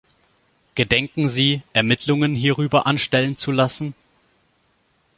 Gedenken sie, Ermittlungen hierüber anstellen zu lassen?